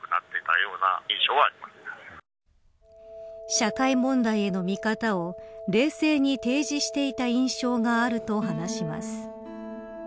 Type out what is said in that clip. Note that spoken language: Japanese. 社会問題への見方を冷静に提示していた印象があると話します。